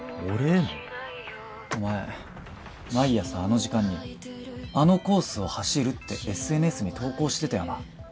お前毎朝あの時間にあのコースを走るってＳＮＳに投稿してたよな？